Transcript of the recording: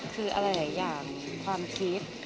คืออะไรหลายอย่างความคิด